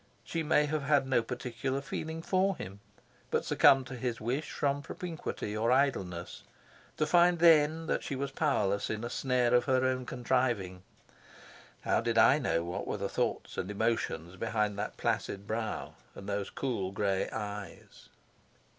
She may have had no particular feeling for him, but succumbed to his wish from propinquity or idleness, to find then that she was powerless in a snare of her own contriving. How did I know what were the thoughts and emotions behind that placid brow and those cool gray eyes?